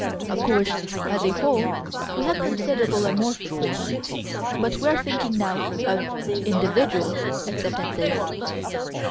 Of course, as a whole, we have considerable amorphousness, but we are thinking now of "individual" acceptances.